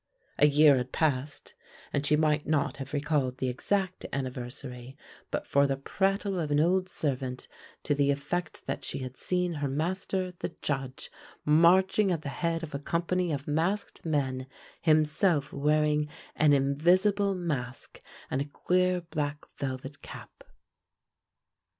A year had passed, and she might not have recalled the exact anniversary but for the prattle of an old servant to the effect that she had seen her master, the Judge, marching at the head of a company of masked men, himself wearing an "invisible" mask and a queer black velvet cap.